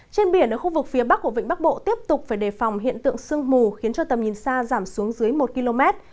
trên biển ở khu vực phía bắc của vịnh bắc bộ tiếp tục phải đề phòng hiện tượng sương mù khiến cho tầm nhìn xa giảm xuống dưới một km